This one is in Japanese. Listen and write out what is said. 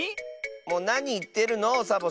もうなにいってるのサボさん。